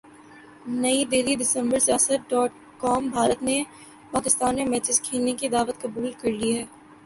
نئی دہلی دسمبر Siasat dot com Bharat نے پاکستان میں میچز کھیلنے کی دعوت قبول کر لی ہے